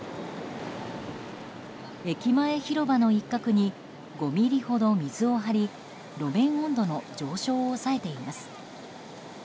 駅前広場の一角に５ｍｍほど水を張り路面温度の上昇を抑えています。